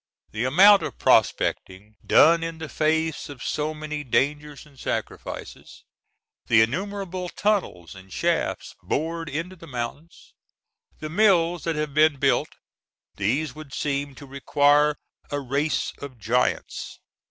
The amount of prospecting done in the face of so many dangers and sacrifices, the innumerable tunnels and shafts bored into the mountains, the mills that have been built—these would seem to require a race of giants.